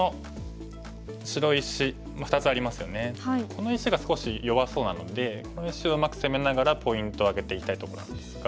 この石が少し弱そうなのでこの石をうまく攻めながらポイントを挙げていきたいところなんですが。